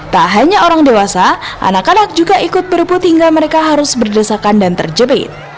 tak hanya orang dewasa anak anak juga ikut berebut hingga mereka harus berdesakan dan terjepit